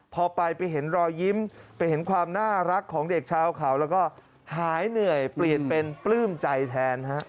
พอไปไปเห็นรอยยิ้มไปเห็นความน่ารักของเด็กชาวเขาแล้วก็หายเหนื่อยเปลี่ยนเป็นปลื้มใจแทนฮะ